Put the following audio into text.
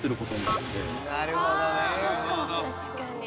なるほどね。